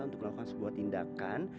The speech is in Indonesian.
untuk melakukan sebuah tindakan